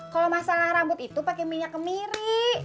kalau masalah rambut itu pakai minyak kemiri